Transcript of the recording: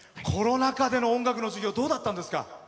コロナ禍での音楽の授業どうだったんですか？